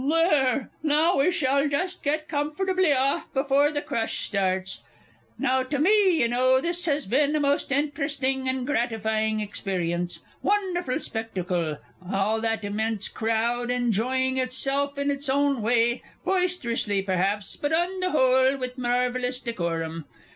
There, now we shall just get comfortably off before the crush begins. Now, to me, y'know, this has been a most interesting and gratifying experience wonderful spectacle, all that immense crowd, enjoying itself in its own way boisterously, perhaps, but, on the whole, with marvellous decorum!